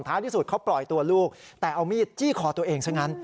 ที่สุดเขาปล่อยตัวลูกแต่เอามีดจี้คอตัวเองซะงั้น